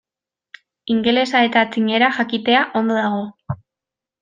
Ingelesa eta txinera jakitea ondo dago.